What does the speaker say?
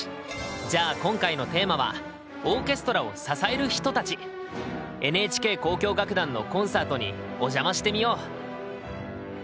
じゃあ今回のテーマはＮＨＫ交響楽団のコンサートにお邪魔してみよう。